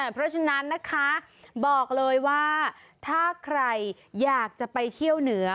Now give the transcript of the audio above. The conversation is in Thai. เพราะฉะนั้นนะคะบอกเลยว่าถ้าใครอยากจะไปเที่ยวเหนือ